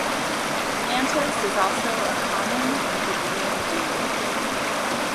Mantas is also a common Lithuanian name.